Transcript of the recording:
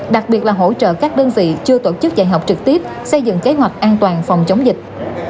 đặc biệt là hỗ trợ các đơn vị chưa tổ chức dạy học trực tiếp xây dựng kế hoạch an toàn phòng chống dịch